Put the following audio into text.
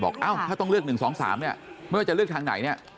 บอกถ้าต้องเลือกหนึ่งสองสามไม่ว่าจะเลือกทางไหน